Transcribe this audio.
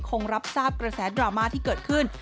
รับทราบกระแสดราม่าที่เกิดขึ้น